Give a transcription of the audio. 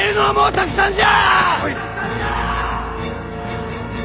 たくさんじゃ！